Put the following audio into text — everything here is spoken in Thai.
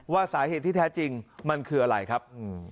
สาเหตุที่แท้จริงมันคืออะไรครับ